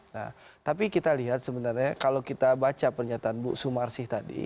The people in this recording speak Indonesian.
nah tapi kita lihat sebenarnya kalau kita baca pernyataan bu sumarsih tadi